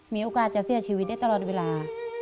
มีโอกาสจะเสียชีวิตได้ตลอดเวลา